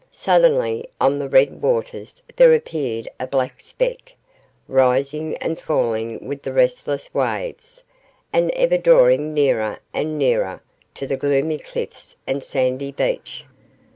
Suddenly on the red waters there appeared a black speck, rising and falling with the restless waves, and ever drawing nearer and nearer to the gloomy cliffs and sandy beach.